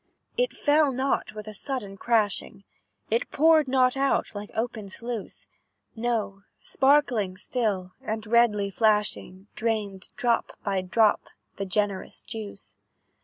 "It fell not with a sudden crashing, It poured not out like open sluice; No, sparkling still, and redly flashing, Drained, drop by drop, the generous juice.